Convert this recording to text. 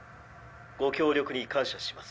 ご協力に感謝します。